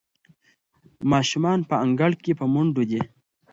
ماشومان په انګړ کې په منډو دي.